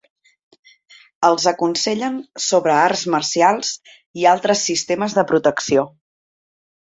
Els aconsellen sobre arts marcials i altres sistemes de protecció.